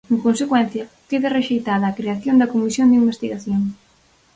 En consecuencia, queda rexeitada a creación da comisión de investigación.